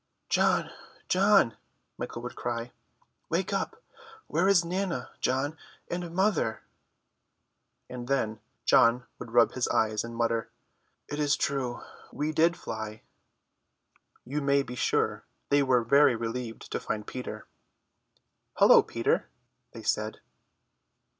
"John, John," Michael would cry, "wake up! Where is Nana, John, and mother?" And then John would rub his eyes and mutter, "It is true, we did fly." You may be sure they were very relieved to find Peter. "Hullo, Peter," they said.